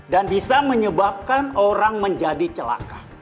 dan bisa menyebabkan orang menjadi celaka